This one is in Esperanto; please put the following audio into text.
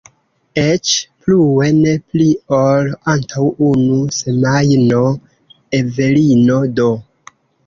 Eĉ plue, ne pli ol antaŭ unu semajno Evelino D.